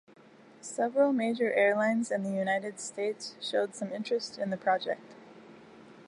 Several major airlines in the United States showed some interest in the project.